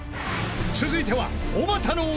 ［続いては］